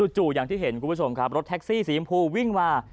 จู่อย่างที่เห็นคุณผู้ชมครับรถแท็กซี่สีชมพูวิ่งมา